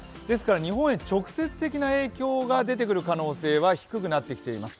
日本へ直接的な影響が出てくる可能性は低くなっています。